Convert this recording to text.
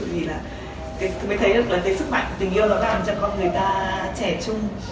vì là tôi mới thấy được là cái sức mạnh tình yêu đó làm cho con người ta trẻ trung